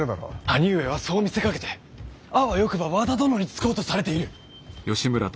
兄上はそう見せかけてあわよくば和田殿につこうとされている。